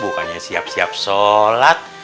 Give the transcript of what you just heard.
bukannya siap siap sholat